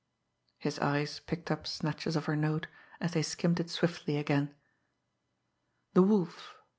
His eyes picked up snatches of her note, as they skimmed it swiftly again. "... The Wolf